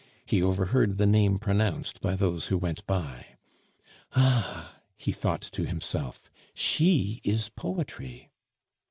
He overheard the name pronounced by those who went by. "Ah!" he thought to himself, "she is Poetry."